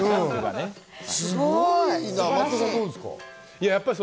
すごいな。